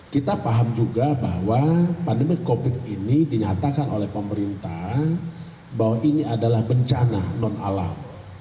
kita paham juga bahwa pandemi covid ini dinyatakan oleh pemerintah bahwa ini adalah bencana non alam